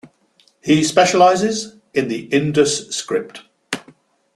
He specializes in the Indus script.